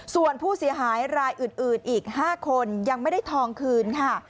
ส่วนผู้เสียหายรายอื่นอีก๕คนยังไม่ได้ทองคืนค่ะ